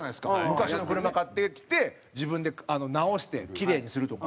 昔の車買ってきて自分で直してキレイにするとか。